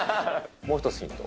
もう１つヒント。